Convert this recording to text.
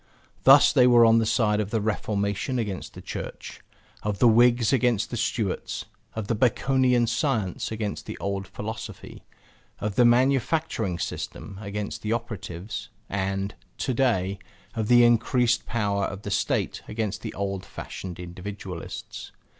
Thus they were on the side of the Reformation against the Church, of the Whigs against the Stuarts, of the Baconian science against the old philosophy, of the manufacturing system against the operatives, and (to day) of the increased power of the State against the old fashioned individualists.